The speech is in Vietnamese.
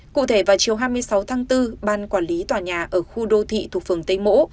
cụ thể vào chiều hai mươi sáu tháng bốn ban quản lý tòa nhà ở khu đô thị thuộc phường tây mỗ